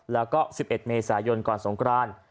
แล้วก็๑๑เมษายนก่อนสงคราน